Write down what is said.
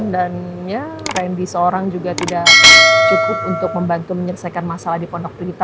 dan ya randy seorang juga tidak cukup untuk membantu menyelesaikan masalah di pondok terdekat